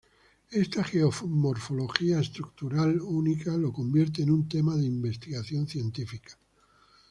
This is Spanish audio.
Esta geomorfología estructural única lo convierte en un tema de investigación científica.